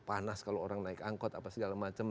panas kalau orang naik angkot apa segala macam